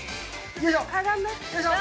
よいしょ！